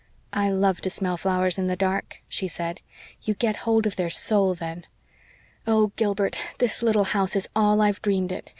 "I love to smell flowers in the dark," she said. "You get hold of their soul then. Oh, Gilbert, this little house is all I've dreamed it.